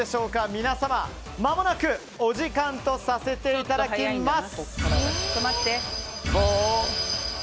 皆様、まもなくお時間とさせていただきます。